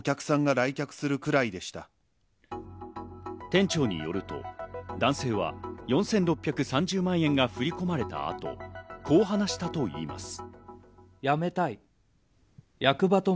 店長によると、男性は、４６３０万円が振り込まれた後、こう話したといいます。